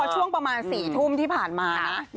ช่วงประมาณ๔ทุ่มที่ผ่านมานะ